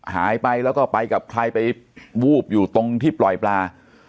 หายไปแล้วก็ไปกับใครไปวูบอยู่ตรงที่ปล่อยปลา